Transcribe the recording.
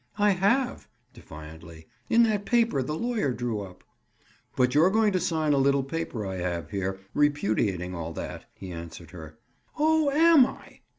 "I have." Defiantly. "In that paper the lawyer drew up." "But you're going to sign a little paper I have here, repudiating all that," he answered her. "Oh, am I?"